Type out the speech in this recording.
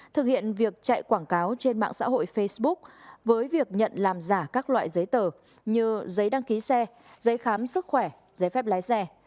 thực hiện việc chạy quảng cáo trên mạng xã hội facebook với việc nhận làm giả các loại giấy tờ như giấy đăng ký xe giấy khám sức khỏe giấy phép lái xe